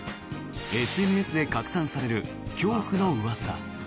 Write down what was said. ＳＮＳで拡散される恐怖のうわさ。